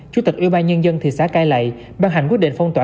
chủ tịch ủy ban nhân dân thị xã cai lậy bàn hành quyết định phong tỏa